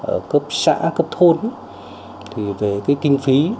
ở cấp xã cấp thôn thì về cái kinh phí